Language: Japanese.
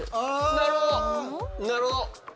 なるほど。